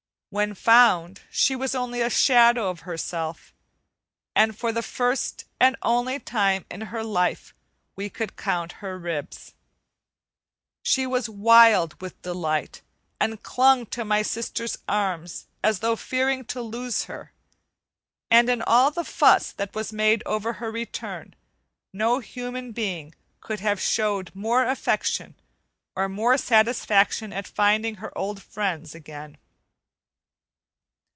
When found, she was only a shadow of herself, and for the first and only time in her life we could count her ribs. She was wild with delight, and clung to my sister's arms as though fearing to lose her; and in all the fuss that was made over her return, no human being could have showed more affection, or more satisfaction at finding her old friends again.